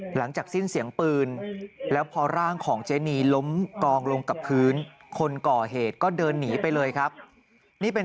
หลังจากสิ้นเสียงปืนแล้วพอร่างของเจนีล้มกองลงกับพื้นคนก่อเหตุก็เดินหนีไปเลยครับนี่เป็น